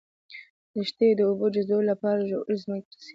ريښې د اوبو جذبولو لپاره ژورې ځمکې ته رسېږي